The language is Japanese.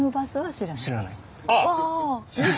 知らないです。